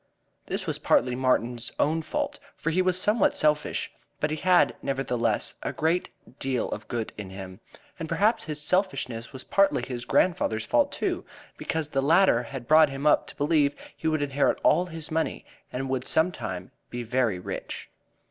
This was partly Martin's own fault, for he was somewhat selfish, but he had, nevertheless, a great deal of good in him. And perhaps his selfishness was partly his grandfather's fault, too, because the latter had brought him up to believe he would inherit all his money and would sometime be very rich.